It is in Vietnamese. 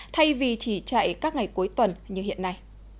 thay vì chỉ chạy các ngày cuối tuần như hiện nay